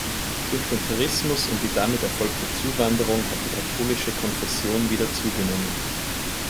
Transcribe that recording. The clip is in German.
Durch den Tourismus und die damit erfolgte Zuwanderung hat die katholische Konfession wieder zugenommen.